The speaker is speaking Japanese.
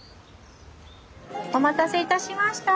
お待たせいたしました。